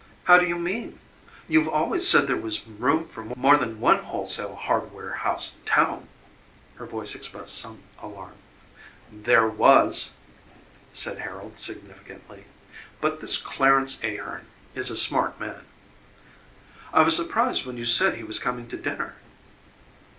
"How do you mean? You've always said there was room for more than one wholesale hardware house in town." Her voice expressed some alarm. "There WAS," said Harold significantly, "but this Clarence Ahearn is a smart man." "I was surprised when you said he was coming to dinner."